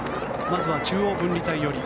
まずは中央分離帯寄り。